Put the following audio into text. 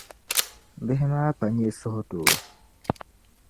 Bihi maa pa nyɛ suhudoo.